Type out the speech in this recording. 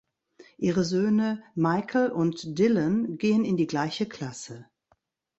Ihre Söhne Michael und Dylan gehen in die gleiche Klasse.